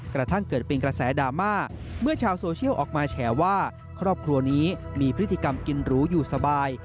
กระทั่งเกิดเป็นกระแสดราม่าเมื่อชาวโซเชียลออกมาแฉว่าครอบครัวนี้มีพฤติกรรมกินหรูอยู่สบาย